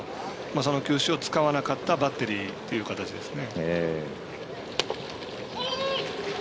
その球種を使わなかったバッテリーという形ですね。